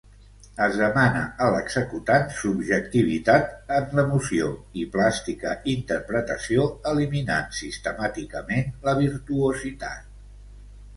Es demana a l'executant subjectivitat en l'emoció i plàstica interpretació, eliminant sistemàticament la virtuositat.